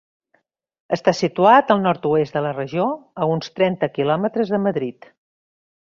Està situat al nord-oest de la regió, a uns trenta quilòmetres de Madrid.